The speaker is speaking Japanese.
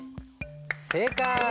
正解！